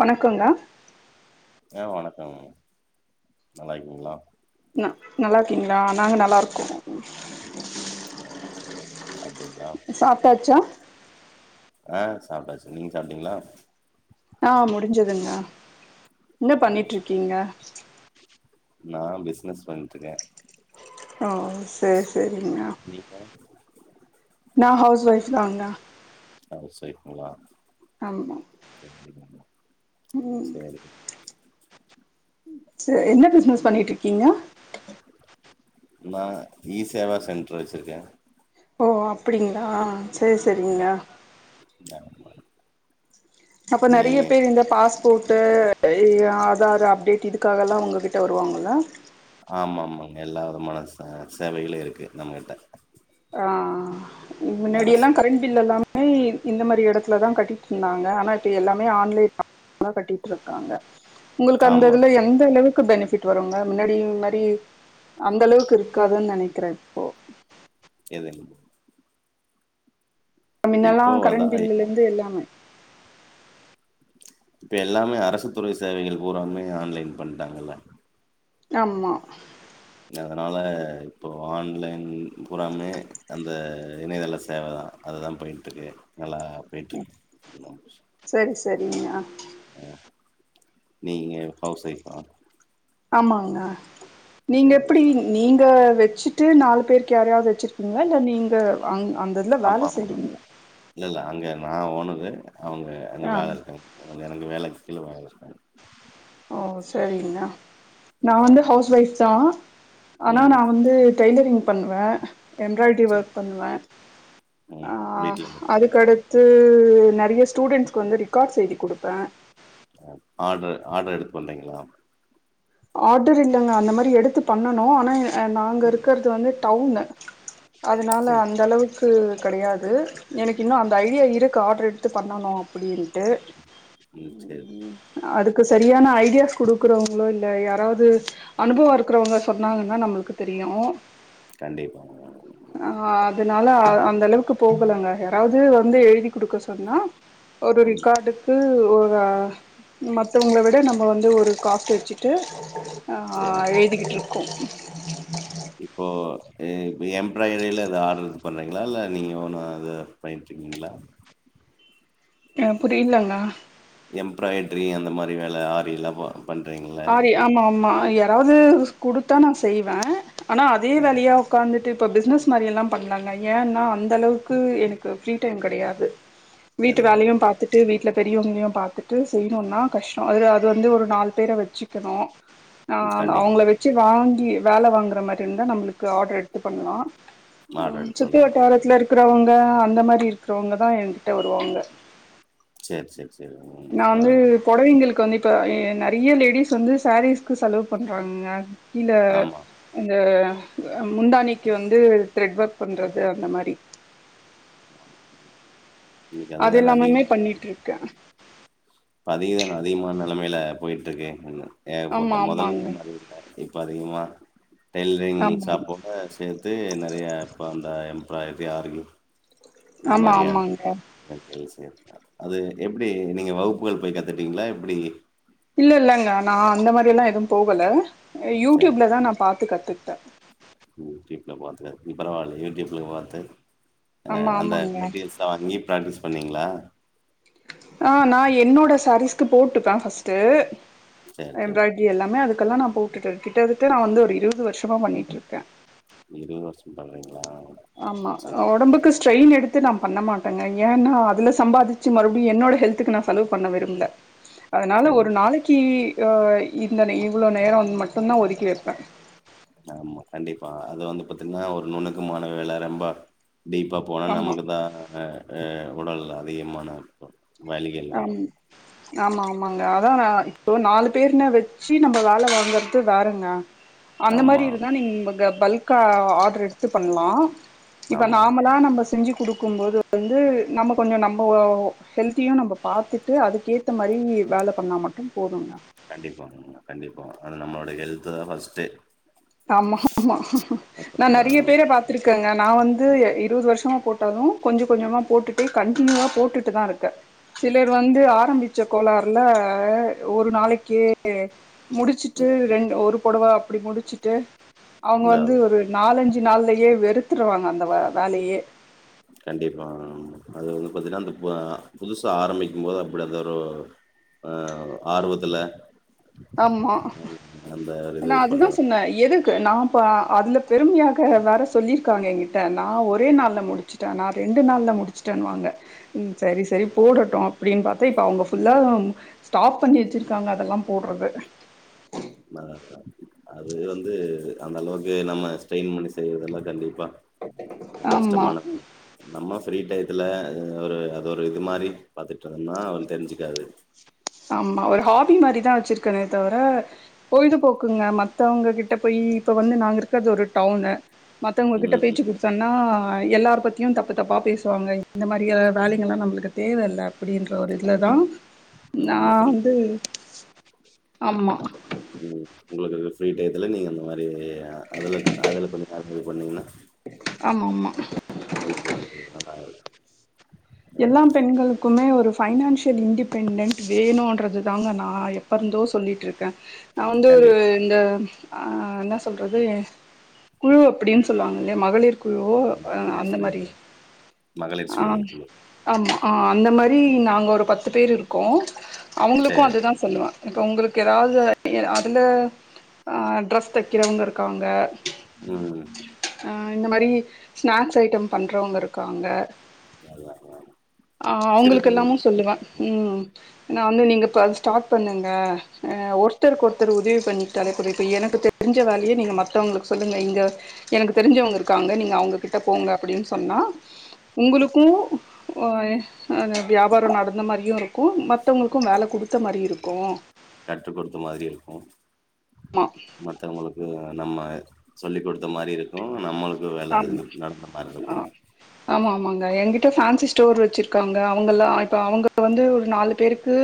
வணக்கங்கா ஏ வணக்கம் நல்லாயிரிக்கிங்களா ந நல்லாிருகீங்களா நாங்க நல்லாருகோ சாப்டிங்களா சாப்ட்டாச்சா ஆ சாப்ட்டாச்சு நீங்க சாப்டிங்களா ஆ முடிஞ்சதுங்க என்ன பண்ணிட்டு இருகீங்க நா பிச்னஸ் பண்ணிட்டுருகே ஓ செரி செரிங்க நீ ஹா நா ஹவுஸ் ஒய்ஃப் தாங்க ஹவுஸ் ஒய்ஃப்களா ஆமாங் ச [unintelligible] ம்சேரி என்ன பிசினஸ் பண்ணிட்டு இருக்கீங்க நா இ சேவா சென்டரு வச்சுருக்கே ஓ அப்டிங்ளா செரி செரிங்கா ஆ அப்ப நெறைய பேர் இந்த பாஸ் கோட்டு ஆதார் அப்டேட் இதுக்காகலா உங்ககிட்ட வருவாங்கள ஆமா ஆமாங்க எல்லா விதமான ச சேவைகளு இருக்கு நமகிட்ட ஆ இதுக் முன்னாடி எல்லா அரசு கரண்ட் பில் எல்லா இந்த மாரி எடத்துல தா கட்டிட்டு இருந்தாங்க ஆனா இப்போ எல்லாமே ஆன்லைன்த கட்டிட்டு இருக்காங்க உங்களு அந்த ஆமா இது எந்த அளவுக் க்கு பெனிபிட் வருங்க முன்னாடி மாரி அந்த அளவுக்கு இருக்காதுனு நெனைகிறே இப்போ எது அ மின்னெல்லா இப்போ அதா கரண்ட் பில்லுல இருந்து இப்ப எல்லாமே இப்ப எல்லாமே அரசு துறை சேவைகள் பூராமே ஆன்லைன் பண்ணிடாகல்ல ஆமா அதனால இப்போ ஆன்லேன் புராமே அந்த இணையதள சேவ அதுதா பண்ணிட்டு இருக்க நல்லா பெய்ட்டு சரி சரிங்க ஆ [unintelligible] நீங்க ஹவுஸ் ஒய்ஃப் ஆ ஆமாங்க நீங்க சேரி எப்டி சே நீங்க வெச்சுட்டு நாலு பேருக்கு யாரையாவது வெச்சுருகீகளா இல்ல நீங்க அங் அந்த இதுல ஆமா வேல ஆமா செய்றீங்கள இல்ல இல்ல அங்க நா ஓனரு அவங்க அங்க ஆ வேல இருகா அதுல எனக்கு வேலைக்கு கீழ வேலை இருக்காக ஓ சரிங்கண்ணா நான் ஆ வந்து ஹவுஸ் ஒய்ஃப் தான் ஆனா ம் நான் வந்து டெய்லரிங் பண்ணுவே எம்ப்ராய்டரி சரி ஒர்க் பண்ணுவேன் ம் ஆஹ் வீட்ல இருந்துட்டு அதுக்கடுத்து நிறைய ஸ்டூடெண்ட்ஸ்க்கு வந்து ரெக்கார்ட்ஸ்செஞ்சு கொடுப்பேன் ஆர்டரு ஆர்டர் எடுத்து பண்றீங்களா ஆர்டர் இல்லைங்க அந்த மாதிரி எடுத்து பண்ணனும் ஆனா நாங்க ம் இருக்கிறது வந்து டவுனு அதனால சரி அந்த அளவுக்கு கிடையாது எனக்கு இன்னும் அந்த ஐடியா இருக்குது ஆர்ட்ர் எடுத்து பண்ணணும் அப்படின்னு ம் சரி அதுக்கு சரியான ஐடியாஸ் கொடுக்கறவங்களோ இ இல்ல யாராவது அனுபவம் இருக்கிறவங்க சொன்னாங்கன்னா நம்மளுக்கு தெரியும் கண்டிப்பாங்க ஆ அதனால அந்த அளவுக்கு போகலங்க யாராவது வந்து எழுதி கொடுக்க சொன்னா ஒரு ம் ரிக்கார்டுக்கு ஒரு மற்றவங்கள விட நம்ம வந்து ஒரு காசு வச்சு ட்டு ஆ சரிங்க எழுதிக்கிட்டுருக்கோம் இப்போ இ எம்ப்ராய்டரியில அது ஆர்டரு எடுத்து பண்றீங்களா இல்லை நீங்க ஒண்ணும் அது பண்ணிட்டு இருக்கீங்களா ஆ புரியல அண்ணா எம்ப்ராய்ட்ரி அந்த மாதிரி வேலை ஆரியெல்லாமா பண்றீங்களா ஆரி ஆமா ஆமா யாராவது கொடுத்தா நான் செய்வேன் ஆனா அதே வேலையா உட்காந்துட்டு இப்போ பிஸ்னஸ் மாதிரியெல்லாம் பண்ணலெங்க ஏன்னா அந்த அளவுக்கு எனக்கு ஃப்ரீ டைம் கிடையாது [inaudible] [unintelligible] வீட்டு வேலையும் பார்த்துட்டு வீட்டில பெரியவங்களையும் பார்த்துட்டு செய்யணும்னா கஷ்டம் அது அது வந்து ஒரு நாலு பேர வச்சு வச்சுக்கணும் ம் கண்டிப்பா. அவங்கள வ வச்சு வாங்கி வேலை வாங்குற மாதிரி இருந்தா நம்மளுக்கு ஆர்டர் எடுத்து பண்ணலாம் ஆர்டர் உம் எடுத்து சுத்தி பண்ணலாம். வட்டாரத்துல இருக்கறவங்க அந்த மாதிரி இருக்கிறவங்க தான் என்கிட்ட வருவாங்க சேரி சேரி ச நான் வந்து புடவைங்களுக்கு வந்து இப்ப நிறைய லேடிஸ் வந்து சாரீஸ்க்கு செலவு பண்றாங்கங்க இந்த ஆமா. இந்த முந்தாணிக்கு வந்து த்ரெட் ஒர்க் பண்றது அந்த மாதிரி இன்னைக்கு அது அதுதான எல்லாமே அதிகம். பண்ணிட்டு இருக்கே இப்போ அது அதிகமான நிலைமையில போய்ட்டுருக்கு ஏகப்பட்ட ஆமா முதல் ஆமாங்க [inaudible] மாதிரி இருட்டேன் இப்போ அதிகமா டெய்லரிங் ஆமா சாப்போ [inaudible] [unintelligible] அத சேர்த்து நிறைய இப்போ அந்த எம்ப்ளாயி ஆருக்கும் இது ஆமா மாதிரியான ஆமாங்க அது எப்படி நீங்க வகுப்புகள் போய் கத்துட்டீங்களா எப்படி இல்ல இல்ல இல்லங்க நான் அந்த மாதிரி எல்லாம் எதுவும் போகலை ச யூடியூப்ல தான் நான் பார்த்து கத்துக்கிட்டேன் யூடியூப்ல பார்த்து இ பரவாயில்ல யூடியூப்ல பார்த்து ஆ ஆமா அந்த ஆமாங்க மெட்டீரியல்ஸ் சோ அங்கேயேயும் ப்ராக்டிஸ் பண்ணீங்களா ஆ நான் என்னோட சாரீஸ்க்கு போட்டு பார்த்துட்டு சேர் சேர் எம்ப்ராய்டரி அப்படி எல்லாமே அதுக்கெல்லாம் நா போட்டு கிட்டத்தட்ட நான் வந்து ஒரு இருபது வருஷமா பண்ணிட்டு இருக்கேன் இருபது வருஷம் பண்றீங்களா ஆமா சேர் உடம்புக்கு ஸ்ட்ரெயின் எடுத்து அது நா பண்ணமாட்டேங்க ஏனா அதுல சம்பாதிச்சு மறுபடியு என்னோட ஹெல்த்துக்கு நா செலவு பண்ண விரும்புல அதனால ஒரு கண்டிப் நாளைக்கு அ இந்தன் இவ்ளோ நேரோ மட்டுதா ஒதுக்கி வைப்பே ஆமா கண்டிப்பா அது வந்து பாத்தீங்கன்னா ஒரு நுண்ணுக்குமான வேல ரொம்பா டீப்பா போனா ஆமா நமக்கு தா ஆ உடல் அதிக மன அழுத்தொ ஆம் ஆமா ஆமாங்க அதா நா இப்போ நாலு பேருன வெச்சு நம்ம வேல வாங்கறது வேறங்க அந்த மாரி ஆமா இருந்தா நீங்க உங்க பல்கா ஆர்டர் எடுத்து பண்லா இப்ப ஆமா நாமலா நம்ப செஞ்சு குடுக்கும் போது வந்து நம்ம கொஞ்ச நம்ம ஒ ஹெல்த்தியு நம்ப பாத்துட்டு அதுக்கேத்த மாரி வேல பண்ணா மட்டு போதுங்க கண்டிப்பாங்க கண்டிப்பா அது நம்மளோட ஹெல்து தா ஃபர்ஸ்ட்டு ஆமா ஆமா நா அப்புறம் தான் நறைய பேர பாத் துருக்கங்க நா வந்து இருவது வருஷமா போட்டாலு கொஞ்ச கொஞ்சமா போட்டுட்டே கண்டினியூவா போட்டுட்டு தா இருக்கே சிலர் வந்து ஆரம்பிச்ச கோளாறுல ஒரு நாளைக்கு எ முடிச்சுட்டு ம் ரெண் ஒரு பொடவ அப்டி முடிச்சுட்டு அவங்க இந்த வந்து அது ஒரு நாலஞ்சு நாள்லேயே வெறுத்துருவாங்க அந்த வ வேலையே கண்டிப்பா அது வந்து பாத்தீங்கன்னா அந்த பு அ புதுசா ஆரம்பிக்கும்போது அப்டிதா ஒரு ஆ ஆர்வத்துல ஆமா அந்த இது நா அதுதா பண்றது. சொன்னே எது கு நா பா அதுல பெருமையாக வேற சொல்லியிருக்காங்க எகிட்ட நா ஒரே நாள் முடிச்சு நா ரெண்டு நாள்ல முடிச்சுட்டேனுவாங்க ம் சரி சரி போடட்டு அப்டின்னு பாத்தா இப்ப அவங்க ஃபுல்லா ஸ்டாப் பண்ணி வெச்சிருக்காங்க அதெல்லாம் போடுறது நல்லா [inaudible] அது வந்து அந்த அளவுக்கு நம்ம ஸ்ட்ரெயின் பண்ணி செய்றதெல்லா கண்டிப்பா ஆமா கஷ்டமானது நம்ம ஃப்ரீ டையத்துல ஒரு அது ஒரு இது மாரி பாத்துட்டுருந்துன்னா அவனு தெரிஞ்சுக்காது ஆமா ஒரு ஹாபி மாரிதா வெச்சிருக்கனே தவிர பொழுதுபோக்குங்க மத்தவங்க கிட்ட போய் இப்ப வந்து நாங்க இருக்கறது ஒரு டவுனு மத்தவங்க கிட்ட ம் பேச்சு குடுத் சொன்னா எல்லார் பத்தியு தப்பு தப்பா பேசுவாங்க இந்த மாரிய வேலைகள்லா நம்மளுக்கு தேவயில்ல அப்டின்ற ஒரு இதுலதா நா நம்ம ஃப்ரீ வந்து டயத்துல ஆமா ம் உங்களுக்கு ஃப்ரீ டைத்துல நீங்க அந்த மாரி அதுல அதுல கொஞ்ச கான்ஸன்ரட் பண்ணீங்கன்னா ஆமா ஆமா உங்களுக்கு அது ஒரு [unintelligible] எல்லா பெண்களு க்குமே ஒரு ஃபைனான்சியல் இன்டிபெண்டன்ட் வேணுறது தாங்க நா எப்ப இருந்தோ சொல்லிட்டு இருக்கே நா வந்து ஒரு கேண்டிடேட் இந்த ஆ என்ன சொல்றது குழு அப்டின் சொல்லுவாங்க இல்லயா மகளிர் குழு அ மகளிர் அந்த சுய மாரி மகளிர் ஆ சுய உதவி குழு. ஆமா அ அந்த மாரி நாங்க ஒரு பத்து பேர் இருக்கோ அவங்களுக்கு சரி. அதுதா சொல்லுவா இப்போ உங்களுக்கு ஏதாவது எ அதுல ஆ ட்ரெஸ் தைக்கிறவங்க இருக்காங்க ம் அ இந்த மாரி ஸ்நாக்ஸ் ஐட்டம் பண்றவங்க இருக்காங்க எல்லா இருக்காங்க ஆ அவங்களுக்கு எல்லாமு சொல்லுவே ம் நா வந்து நீங்க இப்ப ஸ்டார்ட் பண்ணுங்க அ ஒருத்தருக்கு ஒருத்தர் உதவி பண்ணிக்டாளே போது இப்ப எனக்கு தெரிஞ்ச வேலைய நீங்க மத்தவங்களுக்கு சொல்லுங்க இங்க எனக்கு தெரிஞ்சவங்க இருக்காங்க நீங்க அவுங்க கிட்ட போங்க அப்டின் சொன்னா உங்குளுக்கு அது அப்டி வியாபார நடந்த மாரியு இருக்கு மத்தவுங்களுக்கு வேல குட்த்த மாரி இருக்கு கற்று கொடுத்த மாதிரி இருக்கு மத்தவுங்களுக்கு நம்ம சொல்லி கொடுத்த மாரி இருக்கு நம்மளுக்கு வேல ஆமா இது நடந்த மாதிரி இருக்கு ஆ ஆமா ஆமாங்க எங்கிட்ட பேன்சி ஸ்டோர் வச்சிருக்காங்க அவுங்கல்லா இப்ப அவுங்க வந்து ஒரு நாலு பேருக்கு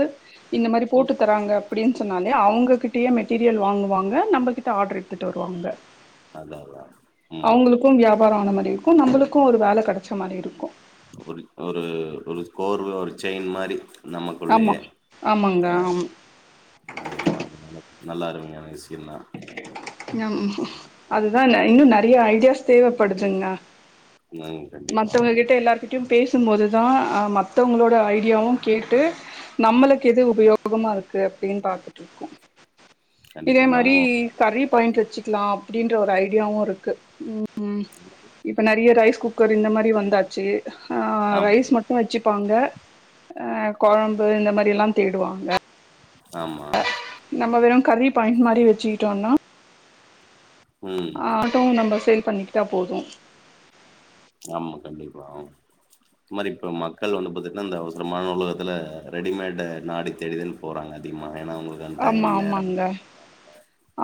இந்த மாரி ம். போட்டு தராங்க அப்டின் சொன்னாலே அவுங்ககிட்டயே மெட்டீரியல் வாங்குவாங்க நம்மகிட்ட ஆர்டர் எடுத்துட்டு வருவாங்க அத அதா ம் கும் வியாபார ஆன மாரி இருக்கு நம்புளுக்கு ஒரு வேல கெட்ச்ச மாரி இருக்கு ஒரு ஒரு ஒரு கோர்வ ஒரு செயின் மாரி ஆமா நமக்குள்ளயே ஆமாங்க அ ஆமா கண்டிப்பாக நல்ல நல்லா அருமையான விஷ்சியம் தா ம் அதுதா இன் இன்னு நெறைய ஐடியாஸ் தேவப்படுதுங்க ம் கண்டிப்பா மத்தவங்கிட்ட எல்லார் கிட் டியு பேசும்போது தா அ மத்தவுங்களோட ஐடியாவு கேட்டு நம்மளுக்கு எது உபயோகமா இருக்கு அப்டின் பாத்துட்ருக்கோ கண்டிப்பா நம்மோ கறி பாயிண்ட் வச்சிக்லா அப்டின்ற ஒரு ஐடியாவு இருக்கு ம் இப்ப நறிய ரைஸ் குக்கர் இந்த மாரி வந்தாச்சு ஆம் ரைஸ் மட்டு வச்சுப்பாங்க அ கொழம்பு இந்த மாரிலா தேடுவாங்க ஆமா நம்ம வெறு கறி பாயிண்ட் மாரி வெச்சிக்கிட்டோன்னா ம். அ அதுவு நம்ப சேல் பண்ணிக்கிட்டா போது ஆமா கண்டிப்பா ஆமா இந் மாரி இப்ப மக்கள் வந்து பாத்தீட்ன்னா இந்த அவுசரமான உலகத்துல ரெடிமேடு நாடி தேடிதன் போறாங்க அதிகமா ஏனா அவுங்ளுக் ஆமா ஆமாங்க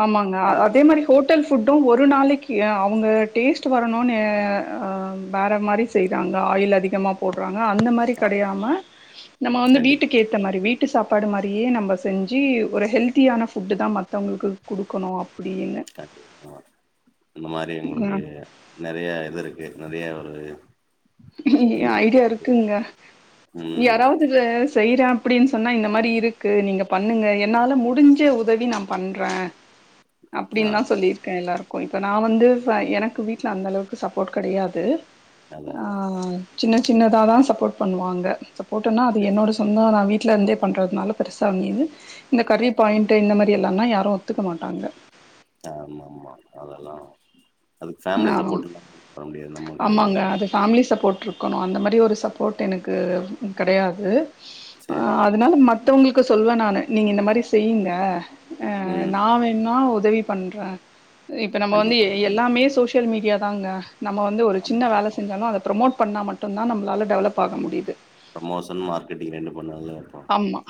ஆமாங்க அ அது அதே மாரி ஹோட்டல் ஃபுட்டு ஒரு நாளிக்கி அவுங்க டேஸ்ட் வரணுனு அ வேற மாரி செய்றாங்க ஆயில் அதிகமா போடுறாங்க அந்த மாரி ஆமா. கிடையாம நம்ம வந்து கண்டிப்பா, வீட்டுக்கு ஏத் இந்த மாரி வீட்டு சாப்பாடு மாரியே நம்ப செஞ்சி ஒரு ஹெல்த்தியான ஃபுட்டு தா மத்தவுங்ளுக்கு குடுக்கணு அப்டின்னு கண்டிப்பாங்க அந்த மாரி உங்ளுக்கு ம் நெறய இது இருக்கு நெறய ஒரு திங்கிங் ஐடியா இருக்கு. இருக்குங்க ம். யாராவ்து இல்ல செய்ற அப்டின் சொன்னா இந்த மாரி இருக்கு நீங்க பண்ணுங்க என்னால முடிஞ்ச உதவி நம் பண்ற ஆ அப்டின்தா சொல்லிருக்க எல்லாருக்கு இப்ப நா வந்து வ எனக்கு வீட்ல அந்த அளவுக்கு சப்போர்ட் கடையாது அதான் ஆ அதான். சின்ன சின்னதா தா சப்போர்ட் பண்ணுவாங்க சப்போர்ட்டுன்னா அது சரி. என்னோட சொந்தோ நா வீட்ல இந்தே பண்றதுனால பெருசா அமயிது இந்த கறி பாயிண்டு இந்த மாரி எல்லான யாரு ஒத்துக்கமாட்டாங்க ஆம்ஆம்மா அதெல்லா நானு நமக்கு ஆமாங்க அது ஃபேமிலி சப்போர்ட்ருக் கொனோ அந்த மாரி ஒரு சப்போ்ட் எனக்கு கடையாது ஆ சரிங்கம்மா. அதனால மத் மத்தவுங்ளுக்கு சொல்வ நானு நீங்க இந்த மாரி செய்ங்க அ ம் நா வேண் ணா உதவி பண்ற இப்ப நம்ப வந்து கண்டிப்பா ஆமா எல்லாமே சோசியல் மீடியா தாங்க நம்ம வந்து ஒரு சின்ன ஆமா வேல ஆமா செஞ்சாலு அத ப்ரமோட் பண்ணா மட்டுந்தா நம்ளால டெவலப் ஆக முடிது ப்ரோமோஷன் மார்கெட்டிங் ரெண்டு பண்ணால போ ஆமா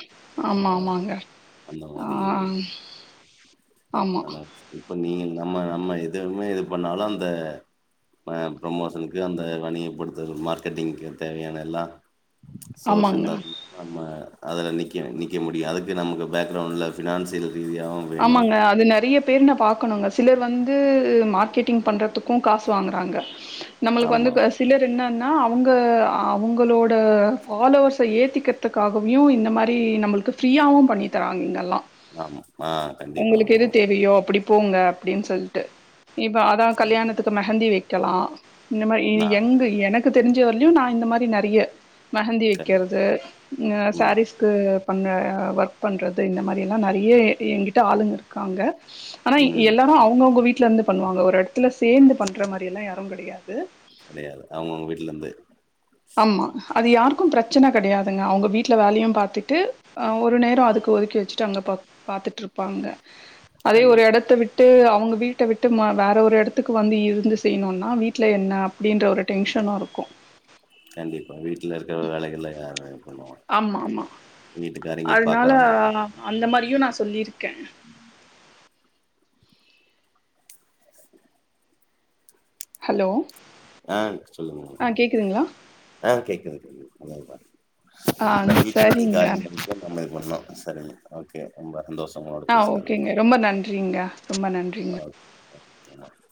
ஆமா ஆமாங்க அந்த ஆ மாரி ஆமா நல்லாரு இப்ப நீ நம்ம நம்ம எதுவுமே இது பண்ணாலு அந்த ஆ ப்ரோமோஷனுகு அந்த வணிய படுதது மார்க்கெட்டிங்க்கு தேவயான எல்லா சோர்ஸ் ஆமாங்க இருந்தா ஆமா அதுல நிக்கற நிக்க முடியு அதுக்கு நமக்கு பேக்ரவுண்ட்ல பினான்சியல் ரீதியாவு வேணு ஆமாங்க அது நெறைய பேர் நா பாக்கணுங்க சிலர் வந்து மார்க்கெட்டிங் பண்றதுக்கு காஸ் வாங்கறாங்க நம்ளுக்கு வந்து ஆமா சிலர் என்னன்னா அவுங்க அவுங்களோட ஃபாலோவர்சா ஏத்திக் த்துக்காகவியூ இந்த மாரி நம்ளுக்கு ஃப்ரீயாவு பண்ணி தராங்க இங்கல்லா ஆமா ஆ உங்களுக்கு கண்டிப்பாங்க எது தேவயோ அப்டி போங்க அப்டின் சொல்ட்டு இப்ப அதா ஆமா கல்யாணத்துக்கு மெஹந்தி வைக்கலா இந்த மாரி இ ஆ எங்க எனக்கு தெரிஞ்ச வர்லயு நா இந்த மாரி நெறய மெஹந்தி கண்டிப்பா வெக்கறது ம் சாரீஸ் க்கு பண்ண ஒர்க் பண்றது இந்த மாரி எல்லா நெரிய எங்கிட்ட ஆளுங்க இருக்காங்க ஆனா ம் எல்லாரு அவுங்கவுங்க வீட்ல இருந்து பண்ணுவாங்க ஒரு எடத்துல சேந்து பண்ற மாதிரி எல்லா யாரு கெடயாது கெடயாது அவுங்கவுங்க வீட்ல இருந்து ஆமா அது யாருக்கு பிரச்சன கெடையாதுங்க அவுங்க வீட்ல வேலயு பாத்துட்டு அ ஒரு நேரோ அதுக்கு ஒதுக்கி வெச்சுட்டு அங்க பா பாத்துட்ருப்பாங்க அதே ஒரு கண்டிப்பா எடத்த விட் விட்டு அவங்க வீட்ட விட்டு ம வேற ஒரு எடத்துக்கு வந்து இருந்து செய்யணுனா வீட்ல என்ன அப்டின்ற ஒரு டென்ஷனு இருக்கு கண்டிப்பா வீட்ல இருக்கற வேலைகள்லா யாரு பண்ணுவா? ஆமா ஆமா வீட்டுக்காரியங்கள அதுனால பாக்காம நா அந்த மாரியு நான் சொல்லிருக்க ஹலோ ஆ சொல்லுங்க ஆ கேக்குதுங்களா ஆ கேக்குது ஆ [inaudible] வீச்சினுடைய சரிங்க காரியங்க நம்ம இது பண்ணோ சரிங்க ஓகே ரொம்ப சந்தோஷோ உங்களோட ஆ பேசுனது ஓகேங்க ரொம்ப நன்றிங்க ரொம்ப நன்றிங்க [inaudible]